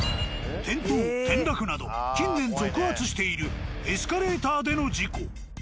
転倒転落など近年続発しているエスカレーターでの事故。